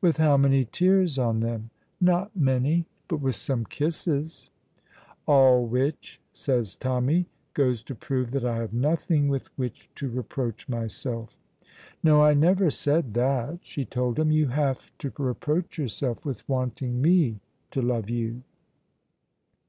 "With how many tears on them?" "Not many. But with some kisses." "All which," says Tommy, "goes to prove that I have nothing with which to reproach myself!" "No, I never said that," she told him. "You have to reproach yourself with wanting me to love you."